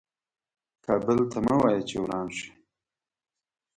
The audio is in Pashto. کابل ته مه وایه چې وران شه .